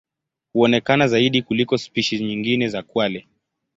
Huonekana zaidi kuliko spishi nyingine za kwale.